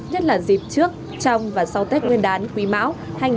nhất là dịp trước trong và sau tết nguyên đán quý mão hai nghìn hai mươi ba